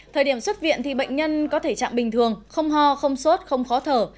thời điểm xuất viện thì bệnh nhân có thể trạng bình thường không ho không sốt không khó thở